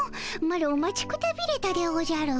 マロ待ちくたびれたでおじゃる。